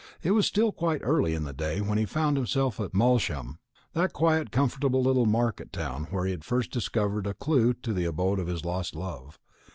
It was still quite early in the day when he found himself at Malsham, that quiet comfortable little market town where he had first discovered a clue to the abode of his lost love.